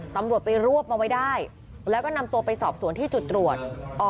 ตำรวจไปรวบมาไว้ได้แล้วก็นำตัวไปสอบสวนที่จุดตรวจ